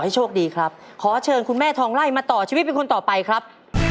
โชคดีครับขอเชิญคุณแม่ทองไล่มาต่อชีวิตเป็นคนต่อไปครับ